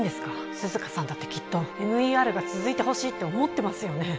涼香さんだってきっとＭＥＲが続いてほしいって思ってますよね？